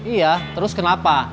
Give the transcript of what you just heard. iya terus kenapa